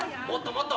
もっと！